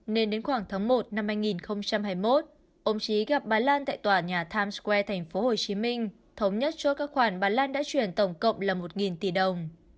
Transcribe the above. nên đến khoảng tháng một năm hai nghìn hai mươi một ông trí gặp bà lan tại tòa nhà times square thành phố hồ chí minh thống nhất cho các khoản bà lan đã chuyển tổng cộng là một tỷ đồng